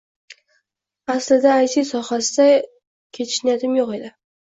Aslida AyTi sohasida ketish niyatim yoʻq edi.